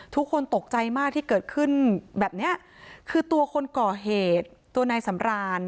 ทุกคนตกใจมากที่เกิดขึ้นแบบเนี้ยคือตัวคนก่อเหตุตัวนายสำราน